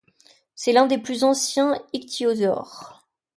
C'est l'un des plus anciens ichthyosaures.